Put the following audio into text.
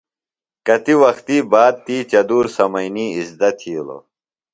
کتی وختیۡ باد تی چدُور سمئینی اِزدہ تِھیلوۡ۔